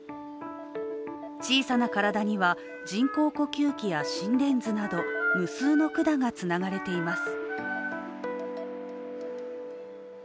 小さな体には人工呼吸器や心電図など無数の管がつながれています。